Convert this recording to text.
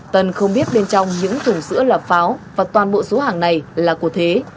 tân không biết bên trong những thùng sữa là pháo và toàn bộ số hàng này là của thế